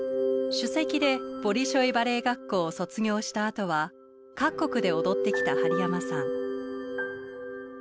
首席でボリショイ・バレエ学校を卒業したあとは各国で踊ってきた針山さん。